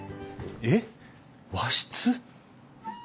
えっ和室？